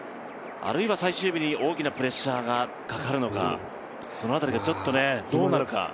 あるいは最終日に大きなプレッシャーがかかるのか、その辺りがちょっとどうなるのか。